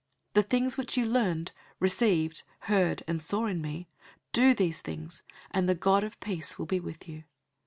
004:009 The things which you learned, received, heard, and saw in me: do these things, and the God of peace will be with you.